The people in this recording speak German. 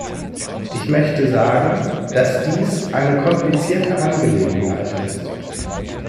Ich möchte sagen, dass dies eine komplizierte Angelegenheit ist.